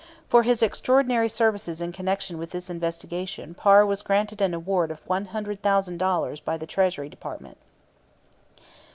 For his extraordinary services in connection with this investigation Parr was granted an award of $100,000 by the Treasury Department.